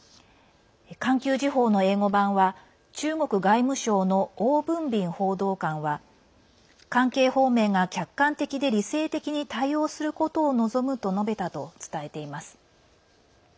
環球時報の英語版は中国外務省の汪文斌報道官は関係方面が客観的で理性的に対応することを望むと述べたと伝えています。